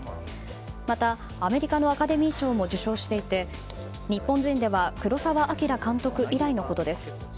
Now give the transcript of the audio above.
また、アメリカのアカデミー賞も受賞していて日本人では黒澤明監督以来のことです。